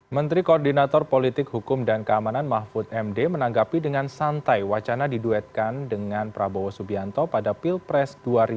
menteri koordinator politik hukum dan keamanan mahfud md menanggapi dengan santai wacana diduetkan dengan prabowo subianto pada pilpres dua ribu sembilan belas